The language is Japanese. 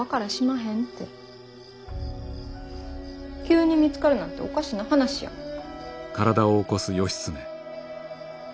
急に見つかるなんておかしな話やもん。